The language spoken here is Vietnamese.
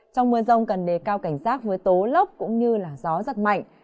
trong mưa rông cần để cao cảnh giác với tố lốc cũng như gió giật mạnh